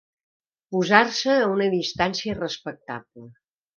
Posar-se a una distància respectable.